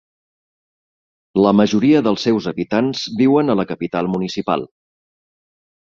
La majoria dels seus habitants viuen a la capital municipal.